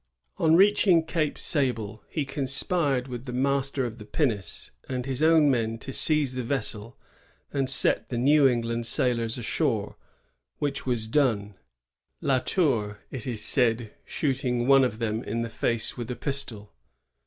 On reaching Cape Sable, he conspired with the master of the pinnace and his own men to seize the vessel and set the New England sailors ashore, — which was done. La Tour, it is said, shooting one of them in the face with a pistol.